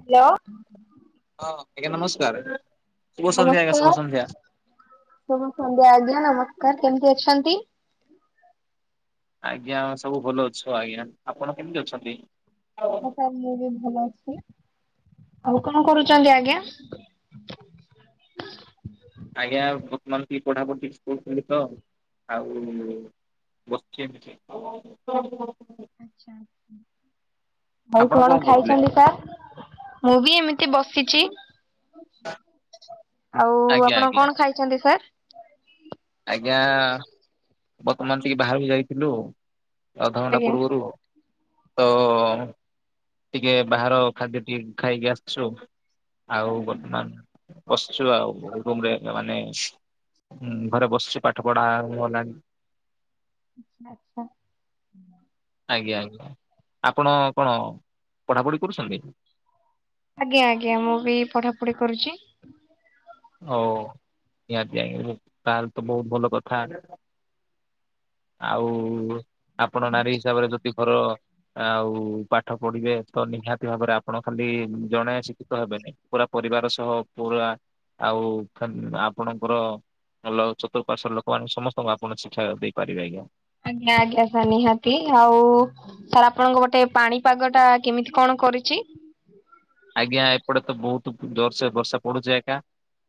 Hello. ହଁ ଆଜ୍ଞା ନମସ୍କାର୍ ଶୁଭ ସନ୍ଧ୍ୟା ଆଜ୍ଞା ନମସ୍କାର ଶୁଭ ସନ୍ଧ୍ୟା। ଶୁଭ ସନ୍ଧ୍ୟା ଆଜ୍ଞା ନମସ୍କାର। କେମିତି ଅଛନ୍ତି? ଆଜ୍ଞା ଆମେ ସବୁ ଭଲ ଅଛୁ ଆଜ୍ଞା। ଆପଣ କେମିତି ଅଛନ୍ତି? ହଁ ସାର୍ ମୁଁ ବି ଭଲ ଅଛି। ଆଉ କଣ କରୁଛନ୍ତି ଆଜ୍ଞା? ଆଜ୍ଞା ବର୍ତ୍ତମାନ ଟିକେ ପଢାପଢ଼ୁଚି ସ୍କୁଲ ଖୋଲିଚି ତ ଆଉ ବସିଚି ଏମିତି। ଆଛ ଆଉ ଆପଣ କଣ କରୁଥିଲେ? ଖାଇଛନ୍ତି ସାର୍? ମୁଁ ବି ଏମିତି ବସିଛି ଆଉ ଆଜ୍ଞା ଆପଣ ଆଜ୍ଞା କଣ ଖାଇ? ଛନ୍ତି ସାର୍। ଆଜ୍ଞା ବର୍ତ୍ତମାନ ଟିକେ ବାହାରକୁ ଯାଇଥିଲୁ ଅଧଘଣ୍ଟା ଆଜ୍ଞା। ପୂର୍ବରୁ। ତ ଟିକେ ବାହାର ଖାଦ୍ୟ ଟିକେ ଖାଇକି ଆସିଛୁ। ଆଉ ଆଜ୍ଞା ବର୍ତ୍ତମାନ ପସଛୁ ଆଉରେ ମାନେ। ଘରେ ବସି ପାଠ ପଢା ଆରମ୍ଭ ହେଲାଣି। ଆଚ୍ଛା। ଆଜ୍ଞା ଆଜ୍ଞା ଆପଣ କଣ ପଢ଼ାପଢ଼ି କରୁଛନ୍ତି? ଆଜ୍ଞା ଆଜ୍ଞା ମୁଁ ବି ପଢ଼ାପଢି କରୁଛି। ହଉ ନିହାତି ଆଜ୍ଞା ତାହେଲେ ତ ବହୁତ ଭଲ କଥା। ଆଉ ଆପଣ ନାରୀ ହିସାବରେ ଯଦି ଘର ଆଉ ପାଠ ପଢିବେ ତ ନିହାତି ଭାବରେ ଆପଣ ଖାଲି ଜଣେ ଶିକ୍ଷିତ ହେବେନି। ପୁରା ପରିବାର ସହ ପୁରା ଆଉ ଆପଣଙ୍କର ଭଲ ଚତୁର୍ଃପାର୍ଶ୍ଵ ଲୋକମାନେ ସମସ୍ତଙ୍କୁ ଆପଣ ଶିକ୍ଷା ଦେଇ ପାରିବେ ଆ। ଆଜ୍ଞା ଆଜ୍ଞା ନିହାତି ଆଉ ସାର୍ ଆପଣଙ୍କ ଗୋଟେ ପାଣିପାଗ ଟା କେମିତି କଣ କରିଛି? ଆଜ୍ଞା ଏପଟେ ତ ବହୁତ ଜୋରସେ ବର୍ଷା ପଡୁଛି ଏକା।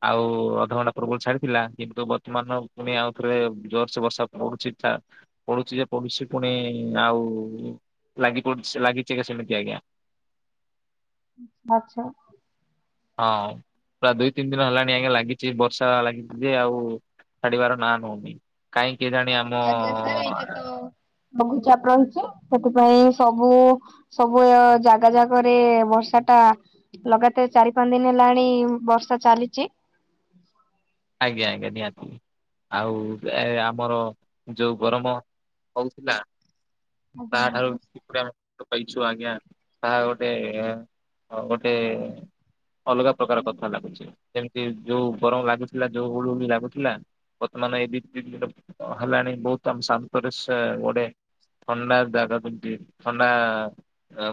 ଆଉ ଅଧଘଣ୍ଟା ପ୍ରବଳ ଛାଡିଥିଲା କିନ୍ତୁ ବର୍ତ୍ତମାନ ପୁଣି ଆଉ ଥରେ ଜୋର ସେ ବର୍ଷା ପଡୁଛି ପଢୁଛି ଯେ ପଢୁଛି ପୁଣି ଆଉ ଲାଗି ପ ଲାଗିଛି କେ ସେମିତି ଆଜ୍ଞା ଆଚ୍ଛା ହଁ ପୁରା ଦୁଇ ତିନି ଦିନ ହେଲାଣି ଆଜ୍ଞା ଲାଗିଛି ବର୍ଷା ଲାଗିଛି ଯେ ଆଉ ଛାଡି। ବାର ନାଁ ନଉନି କାହିଁକି କେଜାଣି ଆମ ଆଜ୍ଞା ସାର୍ ଏଇଟା ତ ଲଘୁଚାପ ରହିଛି ସେଥିପାଇଁ ସବୁ ସବୁ ଜାଗା ଜାଗରେ ବର୍ଷା ଟା ଲଗାତାର ଚାରି ପାଞ୍ଚ ଦିନ ହେଲାଣି ବର୍ଷା ଚାଲିଛି ଆଜ୍ଞା ଆଜ୍ଞା ନିହାତି ଆଉ ଏ ଆମର ଯୋଉ ଗରମ ହଉଥିଲା ଆଜ୍ଞା ତାଠାରୁ ଆଜ୍ଞା େ କହିଛୁ ଆଜ୍ଞା ତାହା ଗୋଟେ ଗୋଟେ ଅଲଗା ପ୍ରକାର କଥା ଲାଗୁଛି ଯେମିତି ଯୋଉ ଗରମ ଲାଗୁଥିଲା ଯୋଉ ହୁଳି ହଳି ଲାଗୁଥିଲା ବର୍ତ୍ତମାନ ଏଇ ଦ ଦରେ ହେଲାଣି ବହୁତ ଆମ ସନ୍ତୋରିଡେ ଥଣ୍ଡା ଜାଗା ତୁମଛି ଥଣ୍ଡା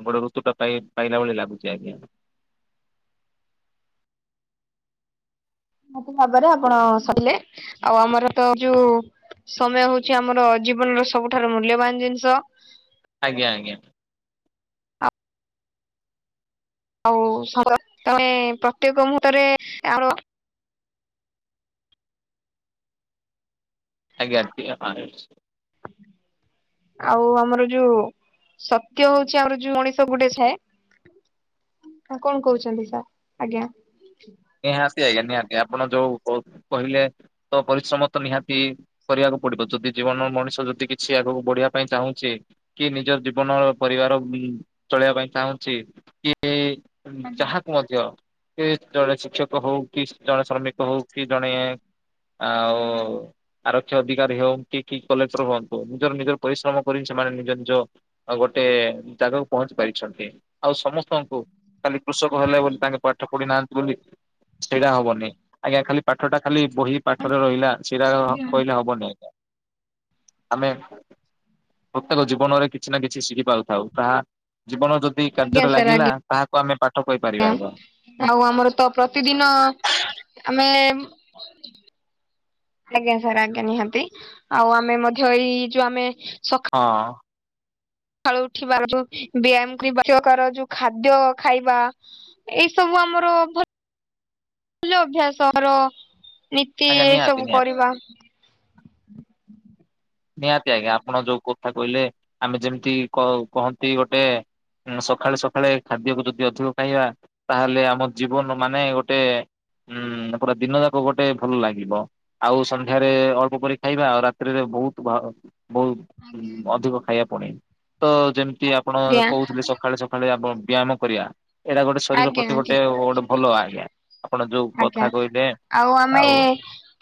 ଗୋଟେ ଋତୁ ଟା ପାଇ ପାଇଲା ଭଳି ଲାଗୁଛି ଆଜ୍ଞା ନିହାତି ଭାବରେ ଆପଣ ସରିଲେ ଆଉ ଆମର ତ ଯୋଉ ସମୟ ହଉଛି ଆମର ଜୀବନର ସବୁଠାରୁ ମୂଲ୍ୟବାନ ଜିନିଷ ଆଜ୍ଞା ଆଜ୍ଞା ଆଉ ତମେ ପ୍ରତ୍ୟେକ ମୁହୂର୍ତ୍ତରେ ଆ ଆଜ୍ଞା ଟ ଆଉ ଆମର ଯୋଉ ସତ୍ୟ ହଉଛି ଆମର ଯୋଉ ମଣିଷ ଗୋଟେ ଛାଏ ହ କଣ କହୁଛନ୍ତି ସାର୍ ଆଜ୍ଞା ନିହାତି ଆଜ୍ଞା ନିହାତି ଆପଣ ଯୋଉ କହିଲେ ତ ପରିଶ୍ରମ ତ ନିହାତି କରିବାକୁ ପଡିବ ଯଦି ଜୀବନର ମଣିଷ ଯଦି କିଛି ଆଗକୁ ବଢିବା ପାଇଁ ଚାହୁଁଛିେ କିଏ ନିଜ ଜୀବନ ପରିବାର ଚଳେଇବା ପାଇଁ ଚାହୁଁଛି କିଏ ଆଜ୍ଞା। ଯାହାକୁ ମଧ୍ୟ ସେ ଜଣେ ଶିକ୍ଷକ ହଉ କି ଜଣେ ଶ୍ରମିକ ହଉ କି ଜଣେ ଆଉ ଆରକ୍ଷୀ ଅଧିକାରୀ ହଅ କି କି କଲେକ୍ଟର ହୁଅନ୍ତୁ ନିଜର ନିଜର ପରିଶ୍ରମ କରିକି ସେମାନେ ନିଜ ନିଜ ଆଉ ଗୋଟେ ଜାଗାକୁ ପହଞ୍ଚି ପାରିଛନ୍ତି ଆଉ ସମସ୍ତଙ୍କୁ ଖାଲି କୃଷକ ହେଲେ ବୋଲି ତାଙ୍କେ ପାଠ ପଢିନାହାନ୍ତି। କୋଉଠି ସେଇଟା ହବନି ଆଜ୍ଞା ଖାଲି ପାଠଟା ଖାଲି ବହି ପାଠରେ ରହିଲା। ସେରା ଆକ କହିଲେ ହବନି ଆମେ ପ୍ରତ୍ୟେକ ଜୀବନରେ କିଛି ନା କିଛି ଶିଖିପାରୁଥାଉ ତାହା ଜୀବନ ରେ ଯଦି ଆଜ୍ଞା କାର୍ଯ୍ୟରେ ସାର୍ ଆଜ୍ଞା। ଲାଗିଲା ତାହାକୁ ଆମେ ପାଠ କହିପାରିବା। ଆଉ ଆମର ତ ପ୍ରତିଦିନ ଆମେ ଆଜ୍ଞା ସାର୍ ଆଜ୍ଞା ନିହାତି ଆଉ ଆମେ ମଧ୍ୟ ଏଇ ଯୋଉ ଆମେ ଶକ୍ ହଁ। ସଖାଳୁ ଉଠିଵା ଯୋଉ ବ୍ୟାୟାମ କରିବା ପ୍ରକାର ଯୋଉ ଖାଦ୍ୟ ଖାଇବା। ଏଇ ସବୁ ଆମର [unintelligible] ଭଲ ଅଭ୍ୟାସର ନୀତି ଆଜ୍ଞା ଏ ନିହାତି ସବୁ ନିହାତି। କରିବା। ନିହାତି ଆଜ୍ଞା ଆପଣ ଯୋଉ କଥା କହିଲେ ଆମେ ଯେମିତି କ କହନ୍ତି ଗୋଟେ ସକାଳେ ସକାଳେ ଖାଦ୍ୟକୁ ଯଦି ଅଧିକ ଖାଇବା ତାହେଲେ ଆମ ଜୀବନ ମାନେ ଗୋଟେ ଉଁ ପୁରା ଦିନ ଯାକ ଗୋଟେ ଭଲ ଲାଗିବ। ଆଉ ସନ୍ଧ୍ୟାରେ ଅଳ୍ପ କରି ଖାଇବା ଆଉ ରାତିିରେ ବହୁତ ଭୋ ବହୁତ ଅଧିକ ଖାଇବା ପଡେ ତ ଯେମିତି ଆପଣ ଆଜ୍ଞା କହୁଥିଲେ ସକାଳେ ସକାଳେ ଆପଣ ବ୍ୟାୟାମ କରିବା। ଏଇଟା ଗୋଟେ ଶରୀର ଆଜ୍ଞା ପ୍ରତି ଆଜ୍ଞା ଗୋଟେ ଗୋଟେ ଭଲ ଆଜ୍ଞା। ଆପଣ ଯୋଉ କଥା ଆଜ୍ଞା କହିଲେ ଆଉ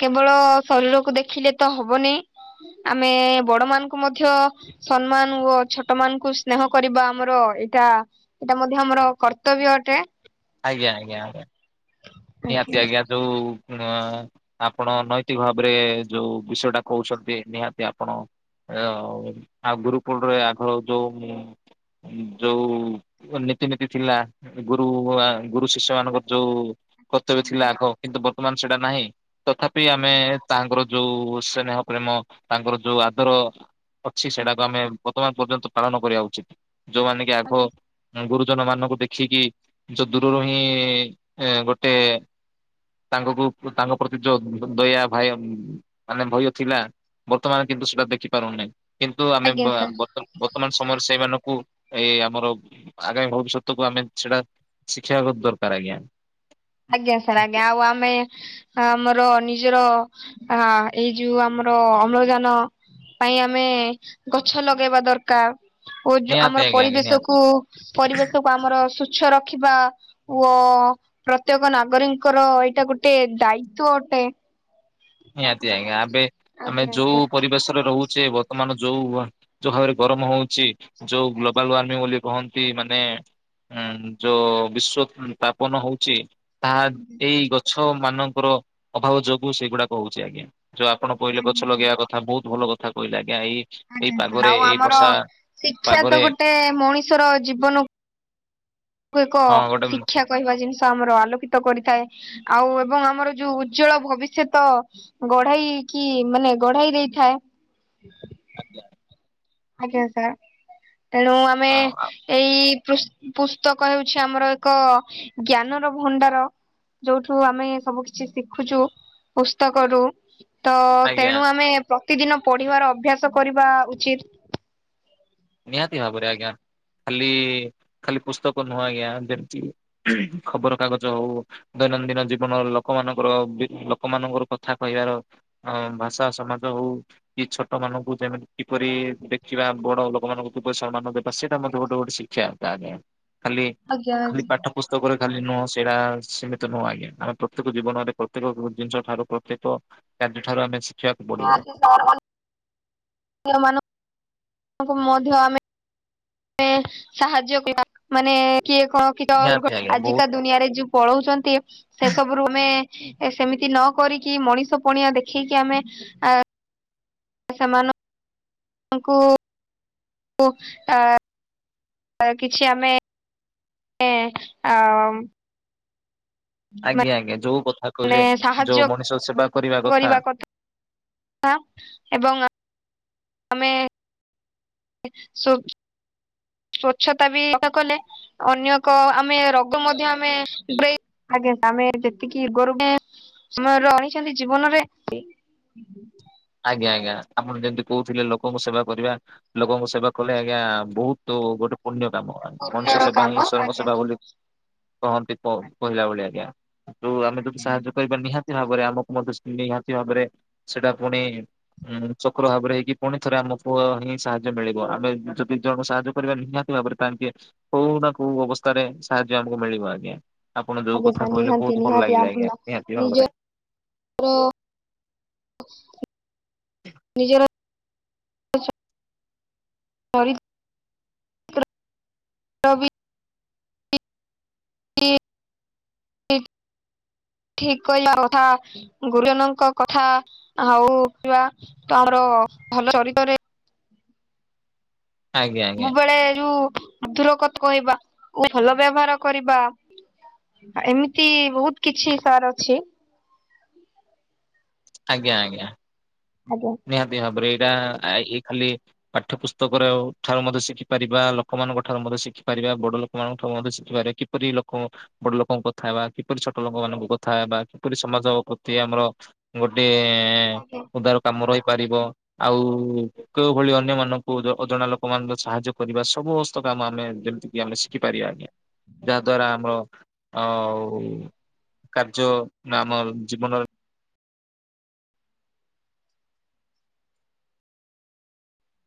କେବଳ ଶରୀରକୁ ଦେଖିଲେ ତ ହବନି ଆମେ ବଡ ମାନଙ୍କୁ ମଧ୍ୟ ସମ୍ମାନ ଓ ଛୋଟ ମାନଙ୍କୁ ସ୍ନେହ କରିବା ଆମର ଏଇଟା ଏଇଟା ମଧ୍ୟ ଆମର କର୍ତ୍ତବ୍ୟ ଅଟେ। ଆଜ୍ଞା ଆଜ୍ଞା ନିହାତି ଆଜ୍ଞା ଯୋଉ ଆଁ ଆପଣ ନୈତିକ ଭାବରେ ଯୋଉ ବିଷୟ ଟା କହୁଛନ୍ତି ନିହାତି ଆପଣ ଆଉ ଗୁରୁକୁଳରେ ଆଗର ଯୋଉ ଯୋଉ ନୀତିନିତି ଥିଲା ଗୁରୁ ଆ ଗୁରୁ ଶିଷ୍ୟ ମାନଙ୍କର ଯୋଉ କର୍ତ୍ତବ୍ୟ ଥିଲା ଆଗ କିନ୍ତୁ ବର୍ତ୍ତମାନ ସେଟା ନାହିଁ ତଥାପି ଆମେ ତାଙ୍କର ଯୋଉ ସ୍ନେନହ ପ୍ରେମ ତାଙ୍କର ଯୋଉ ଆଦର ଅଛି ସେଟାକୁ ଆମେ ବର୍ତ୍ତମାନ ପର୍ଯ୍ୟନ୍ତ ପାଳନ କରିବା ଉଚିତ ଯୋଉମାନେ କି ଆଗ ଆଜ୍ଞା ଗୁରୁଜନ ମାନଙ୍କୁ ଦେଖିକି ଯୋଉ ଦୂରରୁ ହିଁ ଗୋଟେ ତାଙ୍କକୁ ତାଙ୍କ ପ୍ରତି ଯୋଉ ଦୟା ଭାୟା ମାନେ ଭୟ ଥିଲା ବର୍ତ୍ତମାନ କିନ୍ତୁ ସେଟା ଦେଖିପାରୁନେ କିନ୍ତୁ ଆମେ ଆଜ୍ଞା ବା ସାର୍ ଭ ବର୍ତ୍ତମାନ ସମୟରେ ସେଇମାନଙ୍କୁ ଏ ଆମର ଆଗାମୀ ଭବିଷ୍ୟତକୁୁ ଆମେ ସେଇଟା ଶିଖେଇବାକୁ ଦରକାର ଆଜ୍ଞା। ଆଜ୍ଞା ସାର୍ ଆଜ୍ଞା ଆଉ ଆମେ ଆମର ନିଜର ଆ ଏଇ ଯୋଉ ଆମର ଅମ୍ଳଜାନ ପାଇଁ ଆମେ ଗଛ ଲଗେଇବା ଦରକାର। ଓ ଯୋ ନିହାତି ଆମର ଆଜ୍ଞା ଆଜ୍ଞା ନିହାତି। ପରିବେଶକୁ ପରିବେଶ ଆମର ଶୁଚ୍ଛ ରଖିବା ଓ ପ୍ରତ୍ୟେକ ନାଗରିଙ୍କର ଏଇଟା ଗୋଟେ ଦାୟିତ୍ଵ ଅଟେ। ନିହାତି ଆଜ୍ଞା ଆବେ ଆମେ ଆଜ୍ଞା ଆଜ୍ଞା ଯୋଉ ପରିବେଶରେ ରହୁଛେ ବର୍ତ୍ତମାନ ଯୋଉ ଯୋଉ ଭାବରେ ଗରମ ହଉଛି ଯୋଉ ଗ୍ଲୋବାଲ ୱାର୍ମିଂ ବୋଲି କହନ୍ତି ମାନେ ଉଁ ଯୋ ବିଶ୍ଵ ସ୍ଥାପନ ହଉଛି ତାହା ଏଇ ଗଛ ମାନଙ୍କର ଅଭାବ ଯୋଗୁ ସେଗୁଡାକ ହଉଛି ଆଜ୍ଞା। ଯୋଉ ଆପଣ କହିଲେ ଗଛ ଲଗେଇବା କଥା ବହୁତ ଭଲ କଥା କହିଲେ ଆଜ୍ଞା ଏଇ ଏଇ ଆଜ୍ଞା ସାର୍ ପାଗରେ ଆଉ ଏଇ ଆମର ବର୍ଷା ଶିକ୍ଷା ପାଗରେ ତ ଗୋଟେ ମଣିଷର ଜୀବନକୁ ଏକ ହଁ ଗୋଟେ ଶିକ୍ଷା କହିବା ଜିନିଷ ଆମର ଆଲୋକିତ କରିଥାଏ। ଆଉ ଏବଂ ଆମର ଯୋଉ ଉଜ୍ଜଳ ଭବିଷ୍ୟତ ଗଢାଇ କି ମାନେ ଗଢେଇ ଦେଇଥାଏ। ଆଜ୍ଞା। ଆଜ୍ଞା ସାର୍ ତେଣୁ ଆମେ ହଁ ଏଇ ପୁସ-ପୁସ୍ତକ ହେଉଛି ଆମର ଏକ ଜ୍ଞାନର ଭଣ୍ଡାର। ଯୋଉଠୁ ଆମେ ସବୁ କିଛି ଶିଖୁଛୁ ପୁସ୍ତକରୁ। ତ ଆଜ୍ଞା ତେଣୁ ଆମେ ପ୍ରତିଦିନ ପଢ଼ିବାର ଅଭ୍ୟାସ କରିବା ଉଚିତ୍। ନିହାତି ଭାବରେ ଆଜ୍ଞା। ଖାଲି ଖାଲି ପୁସ୍ତକ ନୁହଁ ଆଜ୍ଞା। ଯେମତି କି ଖବର କାଗଜ ହଉ ଦୈନନ୍ଦିନ ଜୀବନର ଲୋକମାନଙ୍କର ବି ଲୋକମାନଙ୍କର କଥା କହିବାର ଆଉ ଭାଷା ସମାଜ ହଉ, କି ଛୋଟମାନଙ୍କୁ ଯେମିତି କିପରି ଦେଖିବା, ବଡ଼ ଲୋକ ଭଗବାନଙ୍କୁ ସମ୍ମାନ ଦେବା ସେଇଟା ମଧ୍ୟ ଗୋଟେ ଗୋଟେ ଶିକ୍ଷା। ତାହା ଏୟା ଖାଲି ଆଜ୍ଞା ଖାଲି ପାଠ ପୁସ୍ତକରେ ଖାଲି ନୁହଁ ସେଇଟା ସୀମିତ ନୁହଁ ଆଜ୍ଞା। ଆମେ ପ୍ରତ୍ୟେକ ଜୀବନରେ, ପ୍ରତ୍ୟେକ ଜିନିଷ ଠାରୁ, ପ୍ରତ୍ୟେକ କାର୍ଯ୍ୟଠାରୁ ଆମେ ଶିଖିବାକୁ ପଡିବ [unintelligible] [unintelligible] ମାନଙ୍କୁ ମଧ୍ୟ ଆମେ ଆମେ ସାହାଯ୍ୟ କ [inaudible] ମାନେ କିଏ କଣ କିଏ ନିହାତି ଆଜ୍ଞା [inaudible] ବହୁତ ଆଜିକା ଦୁନିଆରେ ଯୁ ପଳଉଚନ୍ତି ସେସବୁରୁ ଆମେ, ସେମିତି ନ କରିକି ମଣିଷ ପଣିଆ ଦେଖେଇକି ଆମେ ଆ ସେମାନଙ୍କୁ ଙ୍କୁ ଆ କିଛି ଆମେ ଏ ଆ ଆଜ୍ଞା ଆଜ୍ଞା। ଯୋଉ କଥା ମାନେ କହିଲେ, ଯୋଉ ସାହାଯ୍ୟ ମଣିଷ ସେବା କରିବା କଥା ଆ ଏବଂ ଆମେ ସ୍ୱ ସ୍ବଚ୍ଛତା ବି ନ କଲେ ଅନ୍ୟ ଏକ ଆମେ ରୋଗ ମଧ୍ୟ ଆମେ [unintelligible] ଆଜ୍ଞା ଆମେ ଯେତିକି ଇଗୋ ରୁହେ ସମୟର ରହିଛନ୍ତି ଜୀବନରେ ଆଜ୍ଞା ଆଜ୍ଞା। ଆପଣ ଯେମିତି କହୁଥିଲେ ଲୋକଙ୍କୁ ସେବା କରିବା, ଲୋକଙ୍କୁ ସେବା କଲେ ଆଜ୍ଞା ବହୁତ ତୁ ଗୋଟେ ପୁଣ୍ୟ କାମ ଆ। ମଣିଷ ପୂର୍ଣ୍ଣର ସେବା କାମ ହିଁ ଈଶ୍ୱରଙ୍କ ଆଜ୍ଞା। ସେବା ବୋଲି କହନ୍ତି ପ କହିଲା ଭଳି ଆଜ୍ଞା। ତ ଆମେ ଯଦି ସାହାଯ୍ୟ କରିବା ନିହାତି ଭାବରେ ପରେ ଆମକୁ ମଧ୍ୟ ସେ ନିହାତି ଭାବରେ ସେଇଟା ପୁଣି ଉଁ ଚକ୍ର ଭାବରେ ହେଇକି ପୁଣି ଥରେ ଆମକୁ ହିଁ ସାହାଯ୍ୟ ମିଳିବ। ଆମେ ଯଦି ଦି ଜଣଙ୍କୁ ସାହାଯ୍ୟ କରିବା ନିହାତି ଭାବରେ ଟାର୍ଗେଟ, କୋଉ ନା କୋଉ ଅବସ୍ଥାରେ ସାହାଯ୍ୟ ଆମକୁ ମିଳିବ ଆଜ୍ଞା। ଆପଣ ଯୋଉ ଆଜ୍ଞା କଥା ସାର୍ କହିଲେ ନିହାତି ବହୁତ ଭଲ ନିହାତି ଲାଗିଲା ଆଜ୍ଞା, ନିହାତି ଭାବରେ। ଆମର ନିଜର [unintelligible] [unintelligible] ଠିକ୍ କହିଲ କଥା ଗୁରୁଜନଙ୍କ କଥା ହଉ ରଖିବା ତ ଆମର ଭଲ ଚରିତରେ ଆଜ୍ଞା ଆଜ୍ଞା ସବୁବେଳେ ଯୋଉ ମଧୁର କଥା କହିବା, ମାନେ ଭଲ ବ୍ୟବହାର କରିବା ଏମିତି ବହୁତ କିଛି ତାର ଅଛି ଆଜ୍ଞା ଆଜ୍ଞା। ଆଜ୍ଞା। ନିହାତି ଭାବରେ ଏଇଟା ଏଇ ଖାଲି ପାଠ୍ୟ ପୁସ୍ତକରେ ହଉ ଠାରୁ ମଧ୍ୟ ଶିଖିପାରିବା, ଲୋକମାନଙ୍କଠାରୁ ମଧ୍ୟ ଶିଖିପାରିବା, ବଡ ଲୋକମାନଙ୍କ ଠାରୁ ମଧ୍ୟ ଶିଖିପାରିବା ଏପରି ଲୋକ ବଡ଼ ଲୋକଙ୍କ କଥା ହେବା, କିପରି ଛୋଟ ଲୋକମାନଙ୍କୁ କଥା ହେବା, କିପରି ସମାଜ ପ୍ରତି ଆମର ଗୋଟେ ଆଜ୍ଞା ଉଦାର କାମ ରହିପାରିବ ଆଉ କେଉଁ ଭଳି ଅନ୍ୟମାନଙ୍କୁ ଅଜ-ଅଜଣା ଲୋକମାନଙ୍କ ସାହାଯ୍ୟ କରିବା, ସବୁ ହସ୍ତକାମ ଆମେ ଯେମତିକି ଆମେ ଶିଖିପାରିବା ଆଜ୍ଞା। ଯାହାଦ୍ଵାରା ଆମର ଅଁ ଆଉ କାର୍ଯ୍ୟ ନା ଆମର ଜୀବନରେ